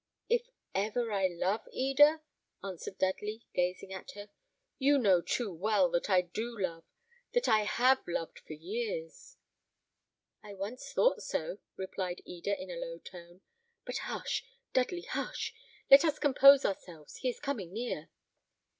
"If ever I love, Eda?" answered Dudley, gazing at her; "you know too well that I do love; that I have loved for years." "I once thought so," replied Eda, in a low tone; "but hush! Dudley, hush! let us compose ourselves: he is coming near."